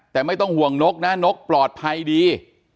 แต่ไม่ต้องห่วงนกนะนกปลอดภัยดี